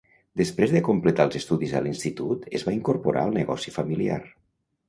Després de completar els estudis a l'institut es va incorporar al negoci familiar.